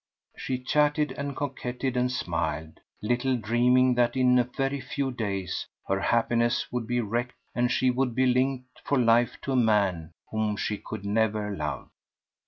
She chatted and coquetted and smiled, little dreaming that in a very few days her happiness would be wrecked and she would be linked for life to a man whom she could never love.